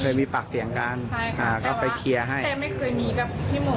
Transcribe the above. มีปากเสียงกันใช่ค่ะอ่าก็ไปเคลียร์ให้แต่ไม่เคยมีกับพี่หมู